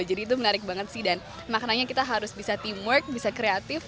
jadi itu menarik banget dan makanya kita harus bisa teamwork bisa kreatif